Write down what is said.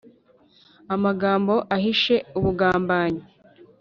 amagambo ahishe ubugambanyi